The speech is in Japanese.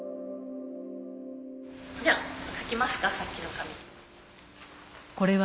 じゃあ書きますかさっきの紙。